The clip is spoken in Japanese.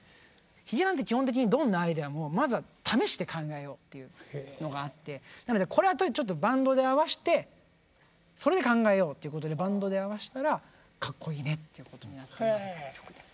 ヒゲダンって基本的にどんなアイデアもまずは試して考えようというのがあってなのでこれはちょっとバンドで合わしてそれで考えようということでバンドで合わせたらかっこいいねっていうことになった曲です。